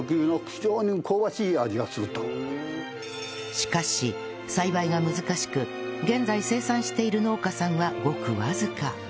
しかし栽培が難しく現在生産している農家さんはごくわずか